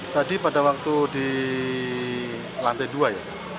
tadi pada waktu di lantai dua ya